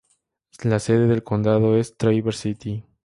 La sede del condado es Traverse City.